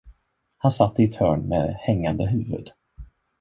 Han satt i ett hörn med hängande huvud.